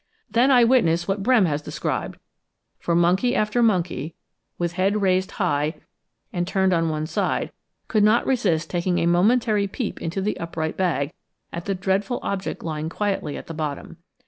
Then I witnessed what Brehm has described, for monkey after monkey, with head raised high and turned on one side, could not resist taking a momentary peep into the upright bag, at the dreadful object lying quietly at the bottom.